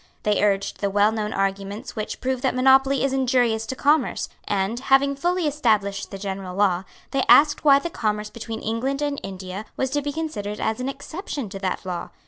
They urged the well known arguments which prove that monopoly is injurious to commerce; and, having fully established the general law, they asked why the commerce between England and India was to be considered as an exception to that law.